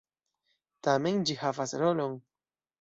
Tamen, ĝi havas rolon.